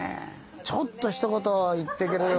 ちょっとひと言言ってくれれば。